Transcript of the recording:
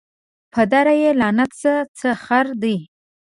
پدر یې لعنت سه څه خره دي